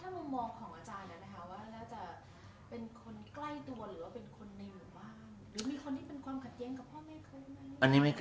หรือมีคนที่เป็นความขัดเย็นกับพ่อแม่เคย